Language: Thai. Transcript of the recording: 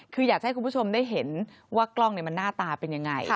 คืออยากจะให้คุณผู้ชมได้เห็นว่ากล้องมันหน้าตาเป็นยังไง